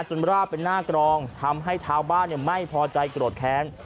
จนราบเป็นหน้ากรองทำให้เท้าบ้านเนี่ยไม่พอใจกรดแค้น